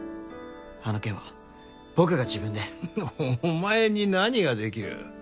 あの件は僕が自分でお前に何ができる？